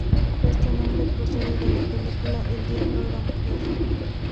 Este nombre procede de la película "El Diablo era mujer".